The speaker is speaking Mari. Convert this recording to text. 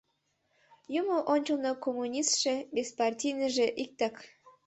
Юмо ончылно коммунистше, беспартийныйже — иктак.